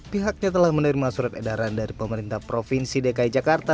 pihaknya telah menerima surat edaran dari pemerintah provinsi dki jakarta